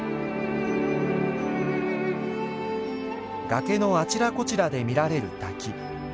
崖のあちらこちらで見られる滝。